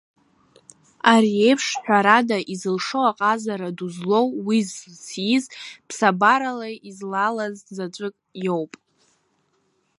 Ари еиԥш, ҳәарада, изылшо аҟазара ду злоу уи зыциз, ԥсабарала излалаз заҵәык иоуп.